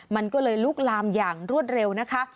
มันก็เลยลุกลามอย่างรวดเร็วนะคะ